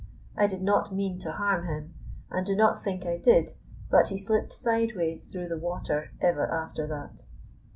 I did not mean to harm him, and do not think I did, but he slipped sideways through the water ever after that.